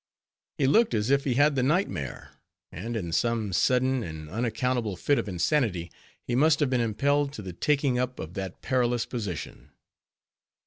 He looked as if he had the nightmare; and in some sudden and unaccountable fit of insanity, he must have been impelled to the taking up of that perilous position.